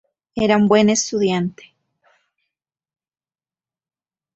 Era un buen estudiante.